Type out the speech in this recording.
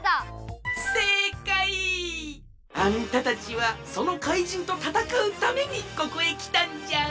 せいかい！あんたたちはそのかいじんとたたかうためにここへきたんじゃ！